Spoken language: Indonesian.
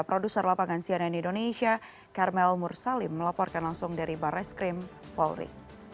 produser lapangan cnn indonesia karmel mursalim melaporkan langsung dari barreskrim polri